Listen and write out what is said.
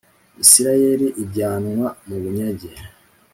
Isirayeli ijyanwa mu bunyage